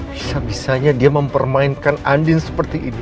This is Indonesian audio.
bisa bisanya dia mempermainkan andil seperti ini